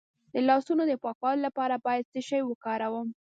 د لاسونو د پاکوالي لپاره باید څه شی وکاروم؟